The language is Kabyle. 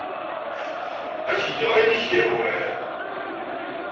Ad ak-geɣ ayen ay ak-yehwan.